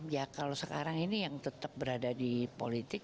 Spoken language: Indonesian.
ya kalau sekarang ini yang tetap berada di politik